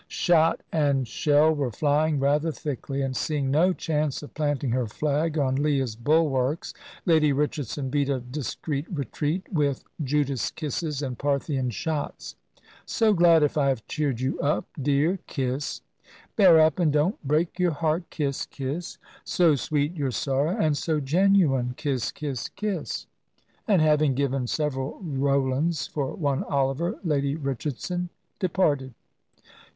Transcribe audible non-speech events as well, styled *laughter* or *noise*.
Shot and shell were flying rather thickly, and seeing no chance of planting her flag on Leah's bulwarks, Lady Richardson beat a discreet retreat, with Judas kisses and Parthian shots. "So glad if I have cheered you up, dear! *smacks lips* Bear up and don't break your heart [kiss, kiss]! So sweet your sorrow, and so genuine [kiss, kiss, kiss]!" And having given several Rowlands for one Oliver, Lady Richardson departed.